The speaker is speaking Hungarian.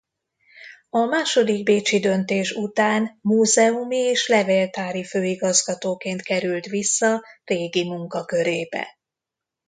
A második bécsi döntés után múzeumi és levéltári főigazgatóként került vissza régi munkakörébe.